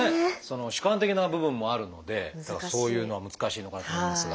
主観的な部分もあるのでそういうのは難しいのかなと思いますが。